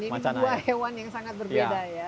ini dua hewan yang sangat berbeda ya